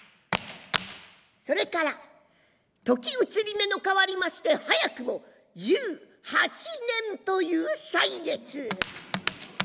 それから時移り目の変わりまして早くも１８年という歳月。